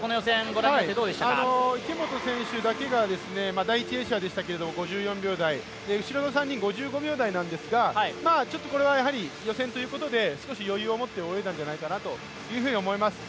池本選手だけが第１泳者ですけれども５４秒台、後ろの３人５５秒台なんですが、これは予選ということで、少し余裕をもって泳いだんじゃないかなと思います。